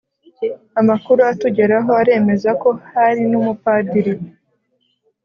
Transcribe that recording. amakuru atugeraho aremeza ko hari n’umupadiri